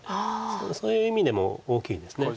そういう意味でも大きいんです。